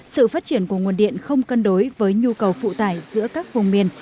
sự phát triển của nguồn điện không cân đối với nhu cầu phụ tải giữa các vùng miền